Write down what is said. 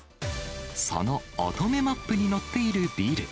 その乙女マップに載っているビル。